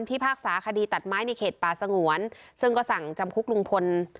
พากษาคดีตัดไม้ในเขตป่าสงวนซึ่งก็สั่งจำคุกลุงพล